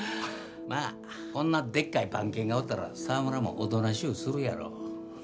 まあこんなでっかい番犬がおったら澤村もおとなしゅうするやろ。